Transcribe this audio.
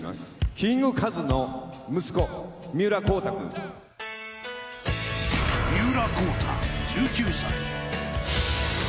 キングカズの息子、三浦孝太君。